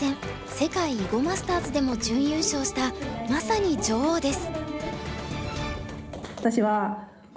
世界囲碁マスターズでも準優勝したまさに女王です。